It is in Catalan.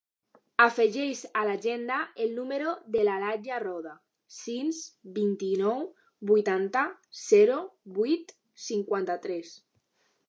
Afegeix a l'agenda el número de l'Alaia Roda: sis, vint-i-nou, vuitanta, zero, vuit, cinquanta-tres.